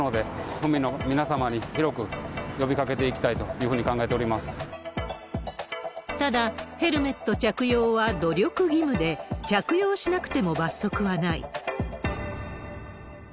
まいにち皆様に広く呼びかけていきたいというふうにただ、ヘルメット着用は努力義務で、着用しなくても罰則はない。